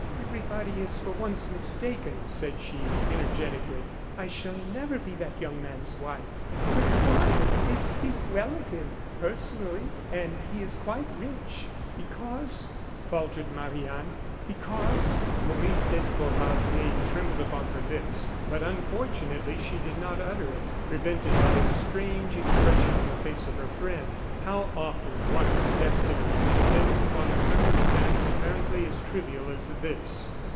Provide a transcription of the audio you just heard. "Everybody is for once mistaken," said she, energetically. "I shall never be that young man's wife." "But why? They speak well of him, personally, and he is quite rich." "Because," faltered Marie Anne, "because " Maurice d'Escorval's name trembled upon her lips; but unfortunately she did not utter it, prevented by a strange expression on the face of her friend. How often one's destiny depends upon a circumstance apparently as trivial as this!